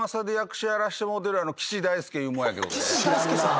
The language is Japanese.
岸大介さん。